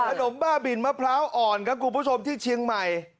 บ้าบินมะพร้าวอ่อนครับคุณผู้ชมที่เชียงใหม่